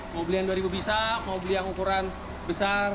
mau beli yang dua ribu bisa mau beli yang ukuran besar